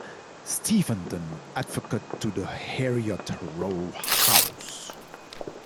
Stevenson, Advocate to the Heriot Row house.